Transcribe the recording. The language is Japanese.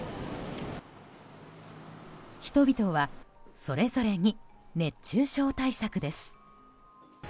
人々はそれぞれに熱中症対策です。